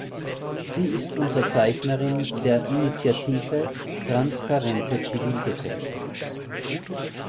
Sie ist Unterzeichnerin der Initiative Transparente Zivilgesellschaft.